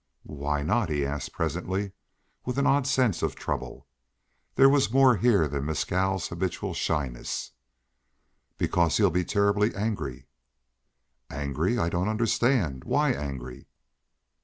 "Why not?" he asked presently, with an odd sense of trouble. There was more here than Mescal's habitual shyness. "Because he'll be terribly angry." "Angry I don't understand. Why angry?"